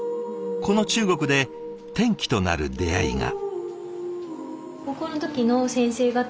この中国で転機となる出会いが。